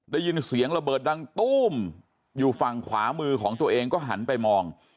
ได้ยินเสียงระเบิดดังตู้มอยู่ฝั่งขวามือของตัวเองก็หันไปมอง